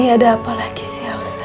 ini ada apa lagi si elsa